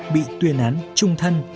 bị tuyên án trung thân